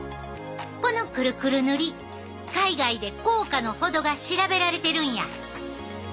このクルクル塗り海外で効果の程が調べられてるんや。